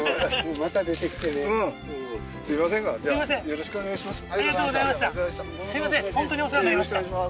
よろしくお願いします